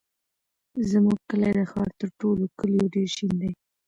زموږ کلی د ښار تر ټولو کلیو ډېر شین دی.